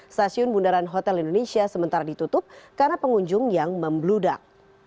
stasiun bundaran hotel indonesia sementara ditutup karena pengunjung yang membludak